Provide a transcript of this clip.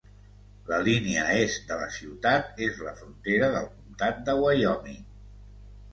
La línia est de la ciutat és la frontera del comtat de Wyoming.